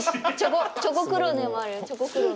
チョココロネもある。